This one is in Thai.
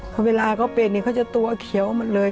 พอเวลาเขาเป็นเขาจะตัวเขียวหมดเลย